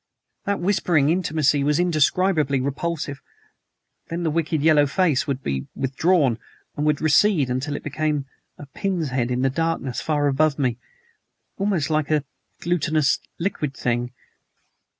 That whispering intimacy was indescribably repulsive. Then the wicked yellow face would be withdrawn, and would recede until it became as a pin's head in the darkness far above me almost like a glutinous, liquid thing.